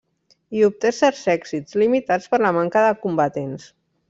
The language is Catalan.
Hi obté certs èxits, limitats per la manca de combatents.